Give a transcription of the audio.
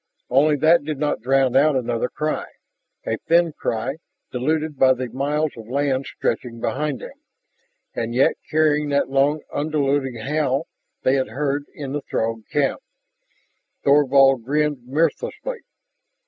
Only that did not drown out another cry, a thin cry, diluted by the miles of land stretching behind them, but yet carrying that long ululating howl they had heard in the Throg camp. Thorvald grinned mirthlessly.